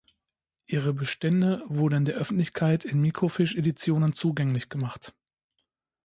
Ihre Bestände wurden der Öffentlichkeit in Microfiche-Editionen zugänglich gemacht.